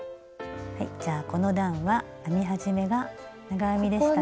この段は編み始めが長編みでしたね。